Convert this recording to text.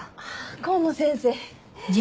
河野先生